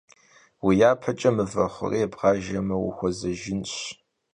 Vui yapeç'e mıve xhurêy bğajjeme vuxuezejjınş.